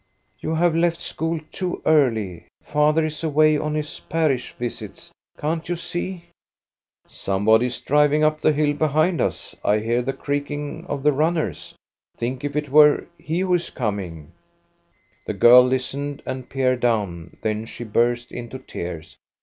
" You have left school too early. Father is away on his parish visits, can't you see?" " Somebody is driving up the hill behind us ; I 14 INTRODUCTION hear the creaking of the runners. Think if it were he who is coming !" The girl listened and peered down, then she burst into tears.